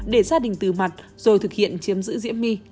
để gia đình từ mặt rồi thực hiện chiếm giữ diễm my